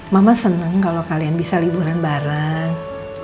mama senang kalau kalian bisa liburan bareng